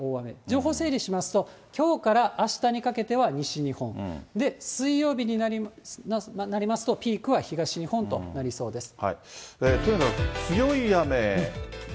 情報、整理しますと、きょうからあしたにかけては西日本、水曜日になりますと、ピークは東日本となりそうです。